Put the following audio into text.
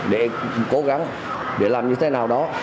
để cố gắng để làm như thế nào đó